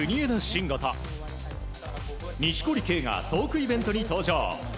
慎吾と錦織圭がトークイベントに登場。